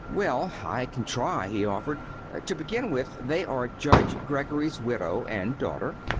"Well, I can try," he offered. "To begin with, they are Judge Greggory's widow and daughter.